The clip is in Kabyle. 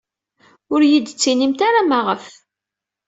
Ur iyi-d-ttinimt ara maɣef.